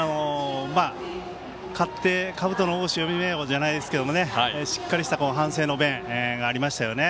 勝ってかぶとの緒を締めろじゃないですけどしっかりした反省の弁ありましたよね。